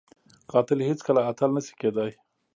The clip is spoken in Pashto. قاتل هیڅ کله اتل نه شي کېدای